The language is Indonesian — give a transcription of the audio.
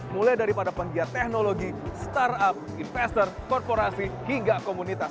mulai daripada penggiat teknologi startup investor korporasi hingga komunitas